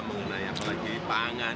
mengenai apa lagi pangan